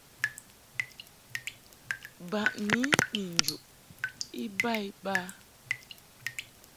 Baʼni ni njuʼ iba iba.